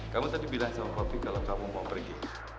kamu tadi bilang sama kopi kalau kamu mau pergi